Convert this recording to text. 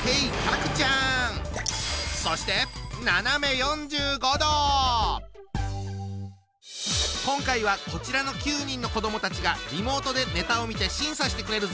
そして今回はこちらの９人の子どもたちがリモートでネタを見て審査してくれるぞ！